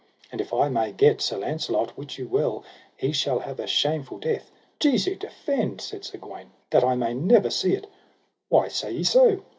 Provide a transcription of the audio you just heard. And if I may get Sir Launcelot, wit you well he shall have a shameful death. Jesu defend, said Sir Gawaine, that I may never see it. Why say ye so?